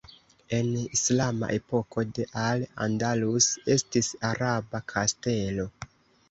En islama epoko de Al Andalus estis araba kastelo.